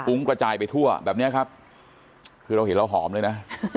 กระจายไปทั่วแบบนี้ครับคือเราเห็นเราหอมเลยนะ